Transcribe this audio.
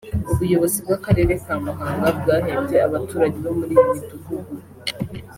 ubuyobozi bw’akarere ka Muhanga bwahembye abaturage bo muri iyi midugugu